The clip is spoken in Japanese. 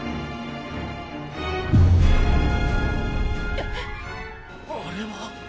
え⁉あれは。